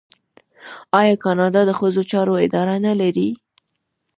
آیا کاناډا د ښځو چارو اداره نلري؟